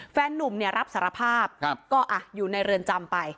แฟนนุ่มเนี่ยรับสารภาพก็อยู่ในเรือนจำไป